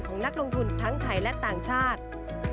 นักลงทุนทั้งไทยและต่างชาติ